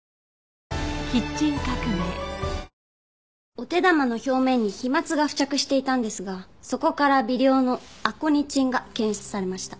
お手玉の表面に飛沫が付着していたんですがそこから微量のアコニチンが検出されました。